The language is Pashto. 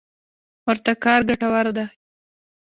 ورته کار ګټور دی.